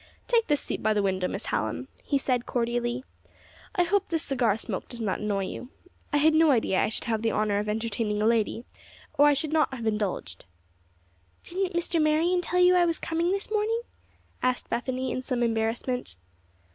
"Take this seat by the window, Miss Hallam," he said, cordially. "I hope this cigar smoke does not annoy you. I had no idea I should have the honor of entertaining a lady, or I should not have indulged." "Didn't Mr. Marion tell you I was coming this morning?" asked Bethany, in some embarrassment.